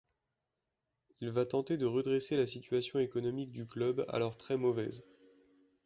Il va tenter de redresser la situation économique du club alors très mauvaise.